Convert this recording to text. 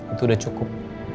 itu udah cukup